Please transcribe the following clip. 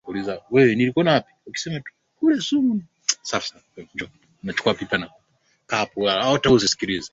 inapohusu ozoni na kaboni nyeusi ni vichafuzi hatari vya hewa